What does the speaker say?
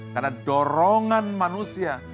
karena dorongan manusia